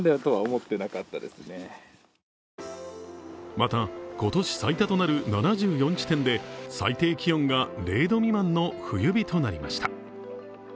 また、今年最多となる７４地点で最低気温が０度未満の冬日となりました。